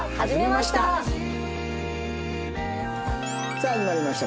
さあ始まりました